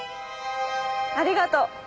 ありがとう。